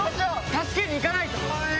助けに行かないと。